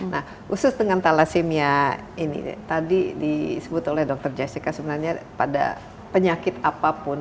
nah khusus dengan thalassemia ini tadi disebut oleh dr jessica sebenarnya pada penyakit apapun